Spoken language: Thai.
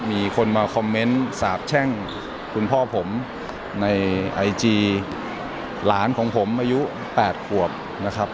มีคนมาคอมเมนต์สาบแช่งคุณพ่อผมในไอจีหลานของผมอายุ๘ขวบนะครับ